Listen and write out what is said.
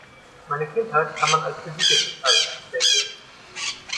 Meine Kindheit kann man als behütet bezeichnen, denke ich.